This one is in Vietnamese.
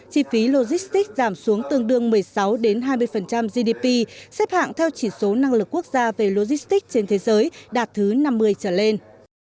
chi phí logistics giảm xuống tương đương một mươi sáu hai mươi gdp xếp hạng theo chỉ số năng lực quốc gia về logistics trên thế giới đạt thứ năm mươi trở lên